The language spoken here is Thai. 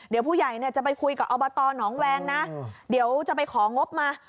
เดี๋ยวผู้ใหญ่เนี่ยจะไปคุยกับอบตหนองแวงนะเดี๋ยวจะไปของงบมา